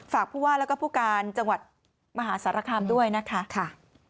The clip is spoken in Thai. ฝากผู้ว่าและผู้การจังหวัดมหาศาสตราคัมด้วยนะคะ